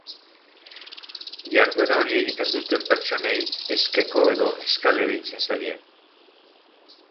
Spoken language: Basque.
Jarduera hori egiten duten pertsonei eskeko edo eskale deitzen zaie.